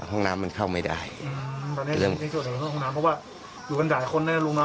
ห้องน้ำมันเข้าไม่ได้เพราะว่าอยู่กันหลายคนเนี่ยลุงอ่ะ